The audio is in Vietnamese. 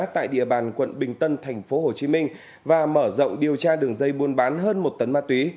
tại địa bàn quận bình tân thành phố hồ chí minh và mở rộng điều tra đường dây buôn bán hơn một tấn ma túy